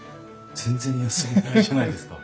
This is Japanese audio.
全然休みがないじゃないですか。